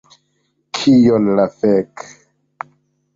Kion la fek...